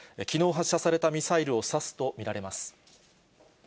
きのう発射されたミサイルを指すと見られます。